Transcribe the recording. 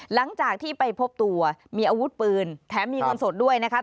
หลังจากที่ไปพบตัวมีอาวุธปืนแถมมีเงินสดด้วยนะคะ